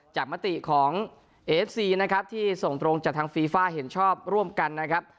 มติของเอฟซีนะครับที่ส่งตรงจากทางฟีฟ่าเห็นชอบร่วมกันนะครับ